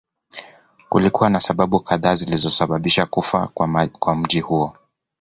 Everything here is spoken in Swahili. Kulikuwa na sababu kadhaa zilizosababisha kufa kwa mji huo